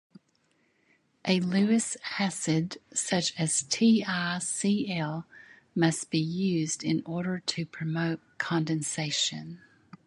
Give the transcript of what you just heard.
A Lewis acid, such as TiCl, must be used in order to promote condensation.